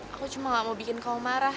aku cuma gak mau bikin kau marah